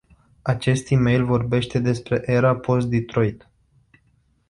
Acest email vorbea despre "era post-Detroit”.